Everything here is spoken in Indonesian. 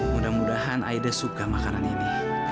mudah mudahan aida suka makanan ini